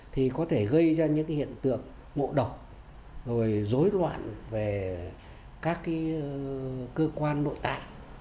thì có thể gây ra những hiện tượng ngộ độc rồi dối loạn về các cơ quan nội tạng